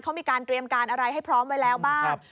เขามีการเตรียมการอะไรให้พร้อมไว้แล้วบ้าง